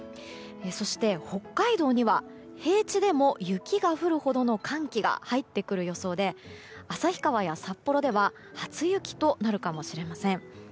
そして北海道には平地でも雪が降るほどの寒気が入ってくる予想で旭川や札幌では初雪となるかもしれません。